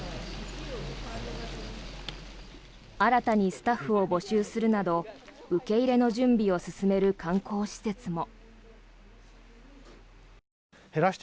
新たにスタッフを募集するなど受け入れの準備を進める観光施設も。